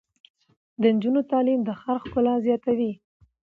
د نجونو تعلیم د ښار ښکلا زیاتوي.